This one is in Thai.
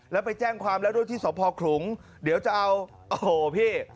แล้วไปแจ้งความแล้วด้วยที่สพขลุงเดี๋ยวจะเอาโอ้โหพี่